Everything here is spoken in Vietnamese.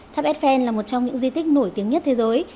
tháp eiffel là một trong những di tích nổi tiếng nhất thế giới